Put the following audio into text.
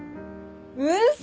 ウソ！